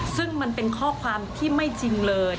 ซึ่งมันเป็นข้อความที่ไม่จริงเลย